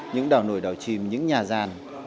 những đảo nổi đảo trìm những nhà ràn